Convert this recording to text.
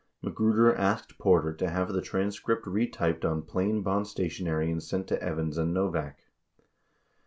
Magruder asked Porter to have the transcript retyped on plain bond stationery and sent to Evans and Novak.